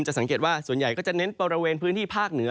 สังเกตว่าส่วนใหญ่ก็จะเน้นบริเวณพื้นที่ภาคเหนือ